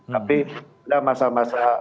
tapi pada masa masa